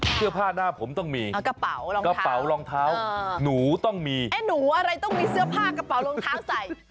เสื้อผ้าหน้าผมต้องมีกระเป๋ารองกระเป๋ารองเท้าหนูต้องมีเอ๊ะหนูอะไรต้องมีเสื้อผ้ากระเป๋ารองเท้าใส่